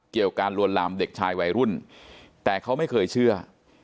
การลวนลามเด็กชายวัยรุ่นแต่เขาไม่เคยเชื่อ